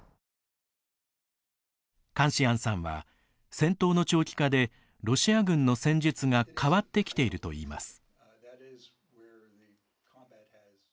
カンシアンさんは戦闘の長期化でロシア軍の戦術が変わってきているといいます。